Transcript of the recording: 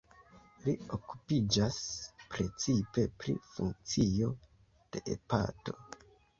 Li okupiĝas precipe pri funkcio de hepato.